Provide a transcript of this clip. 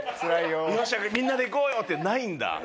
よしみんなで行こうよ！ってないんだ。